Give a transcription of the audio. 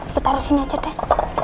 gigi taruh sini aja deh